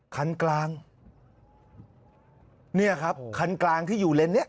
คันกลางเนี่ยครับคันกลางที่อยู่เลนส์เนี้ย